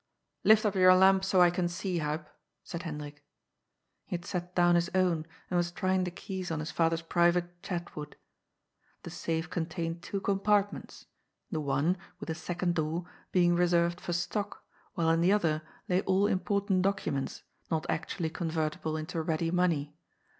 "Lift up your lamp, so I can see, Huib," said Hen drik. He had set down his own and was trying the keys on his father's private " Chatwood." The safe contained two compartments, the one, with a second door, being reserved for stock, while in the other lay all important documents, not actually convertible into 112 GOD'S POOL. ready money.